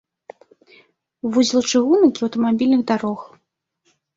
Вузел чыгунак і аўтамабільных дарог.